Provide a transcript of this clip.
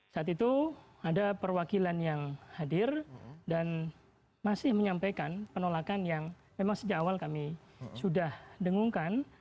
saat itu ada perwakilan yang hadir dan masih menyampaikan penolakan yang memang sejak awal kami sudah dengungkan